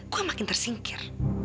gue makin tersingkir